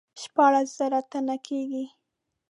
شپاړس زره تنه کیږي.